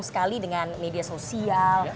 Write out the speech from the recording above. sekali dengan media sosial